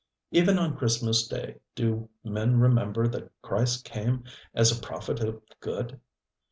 Even on Christmas Day do men remember that Christ came as a prophet of good?